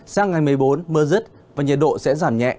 sang ngày một mươi bốn mưa rứt và nhiệt độ sẽ giảm nhẹ